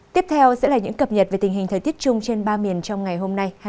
tiếp theo sẽ là những cập nhật về tình hình thời tiết chung trên ba miền trong ngày hôm nay